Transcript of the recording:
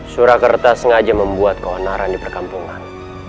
surakarta sengaja membuat keonaran di perkampungan